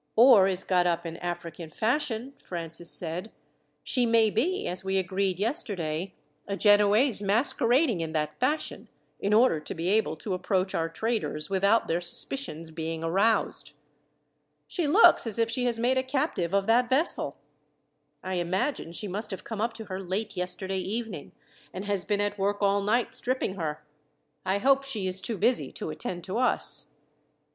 "Or is got up in African fashion," Francis said. "She may be, as we agreed yesterday, a Genoese masquerading in that fashion, in order to be able to approach our traders without their suspicions being aroused. She looks as if she has made a captive of that vessel. I imagine she must have come up to her late yesterday evening, and has been at work all night stripping her. I hope she is too busy to attend to us."